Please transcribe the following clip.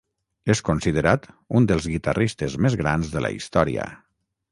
És considerat un dels guitarristes més grans de la història.